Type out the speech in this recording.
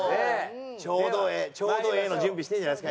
ちょうどええちょうどええの準備してんじゃないですか？